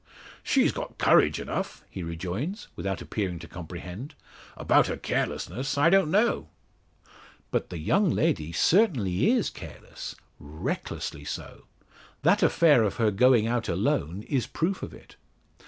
"She's got courage enough," he rejoins, without appearing to comprehend. "About her carelessness, I don't know." "But the young lady certainly is careless recklessly so. That affair of her going out alone is proof of it.